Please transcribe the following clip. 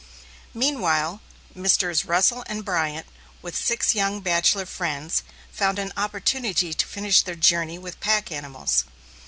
Meanwhile, Messrs. Russell and Bryant, with six young bachelor friends, found an opportunity to finish their journey with pack animals.